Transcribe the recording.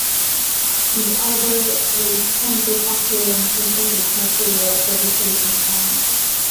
The other a chemical factory and synthetic materials fabrication plant.